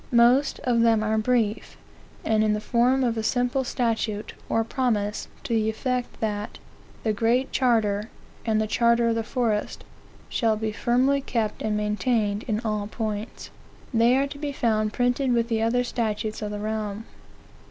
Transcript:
Most of them are brief, and in the form of a simple statute, or promise, to the effect that "The Great Charter, and the Charter of the Forest, shall be firmly kept and maintained in all points." They are to be found printed with the other statutes of the realm.